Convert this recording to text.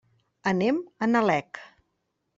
Anem a Nalec.